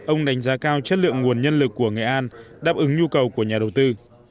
ông đánh giá cao chất lượng nguồn nhân lực của nghệ an đáp ứng nhu cầu của nhà đầu tư